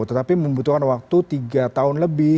tetapi membutuhkan waktu tiga tahun lebih